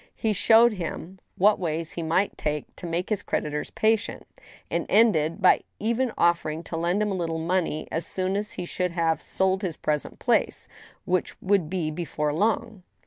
He showed him what ways he might take to make his creditors patient, and ended by even offering to lend him a little money as soon as he should have sold his present place, which would be before long.